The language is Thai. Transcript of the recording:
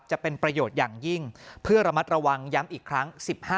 จะเป็นประโยชน์อย่างยิ่งเพื่อระมัดระวังย้ำอีกครั้ง๑๕